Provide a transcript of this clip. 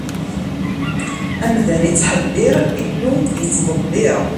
Amdan ittḥebbiṛ, Illu ittḍebbiṛ.